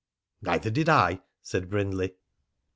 "Neither did I," said Brindley.